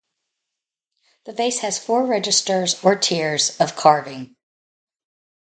The vase has four registers - or tiers - of carving.